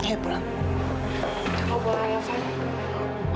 apa kabar fadil